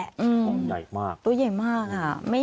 กลับด้านหลักหลักหลัก